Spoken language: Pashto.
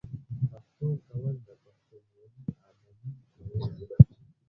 پښتو کول د پښتونولۍ عملي کول دي.